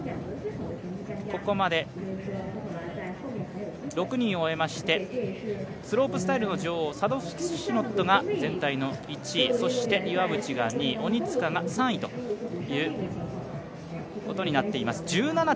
ここまで６人終えましてスロープスタイルの女王、サドフスキ・シノットが全体の１位、そして岩渕が２位、鬼塚が３位ということになっています。